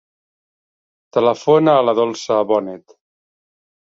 Telefona a la Dolça Boned.